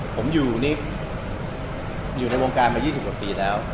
ผมอยู่ในวงการมา๒๐กว่าปีแล้ว